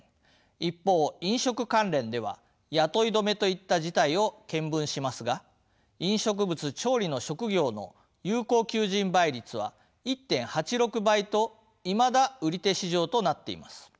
一方飲食関連では雇い止めといった事態を見聞しますが飲食物調理の職業の有効求人倍率は１．８６倍といまだ売り手市場となっています。